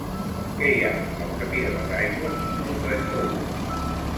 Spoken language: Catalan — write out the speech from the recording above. Què hi ha al camí de les Aigües número trenta-u?